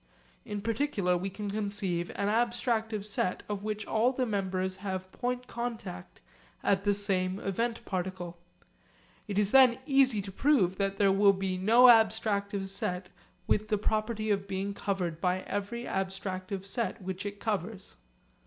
In particular we can conceive an abstractive set of which all the members have point contact at the same event particle. It is then easy to prove that there will be no abstractive set with the property of being covered by every abstractive set which it covers.